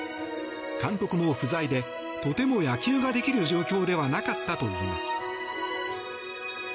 監督も不在でとても野球ができる状況ではなかったといいます。